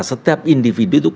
setiap individu itu